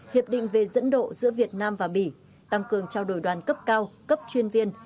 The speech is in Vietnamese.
hiệp định về dẫn độ giữa việt nam và bỉ tăng cường trao đổi đoàn cấp cao cấp chuyên viên